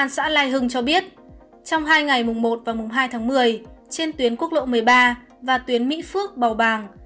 xã lai hưng cho biết trong hai ngày một hai một mươi trên tuyến quốc lộ một mươi ba và tuyến mỹ phước bầu bàng